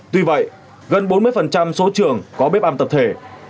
tuy vậy gần bốn mươi số trường có bếp ăn tập thể